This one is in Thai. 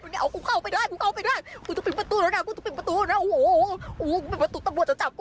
เดี๋ยวนะมันเป็นทรงขาสั้นเหรอ